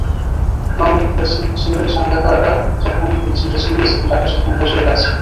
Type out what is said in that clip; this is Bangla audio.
নবম ব্যাটসম্যান হিসেবে সাঙ্গাকারা যখন ফিরছেন ড্রেসিংরুমে, সিডনির আকাশ তখন অঝোরে কাঁদছে।